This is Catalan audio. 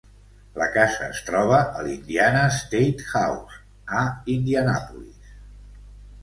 La casa es troba a l'Indiana Statehouse a Indianapolis.